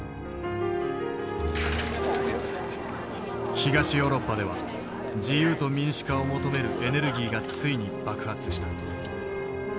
東ヨーロッパでは自由と民主化を求めるエネルギーがついに爆発した。